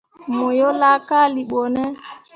Mo yo laakalii ɓo ne ?